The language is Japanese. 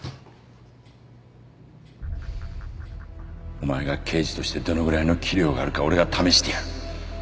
お前が刑事としてどのぐらいの器量があるか俺が試してやる。